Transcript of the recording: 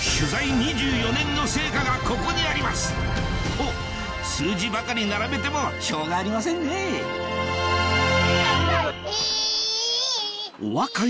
２４年の成果がここにありますと数字ばかり並べてもしょうがありませんねい！